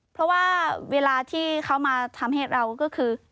เพราะว่าเวลาที่เขามาทำให้เราก็คือ